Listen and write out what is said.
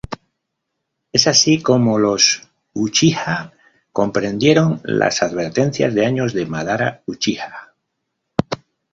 Es así como los Uchiha comprendieron las advertencias de años de Madara Uchiha.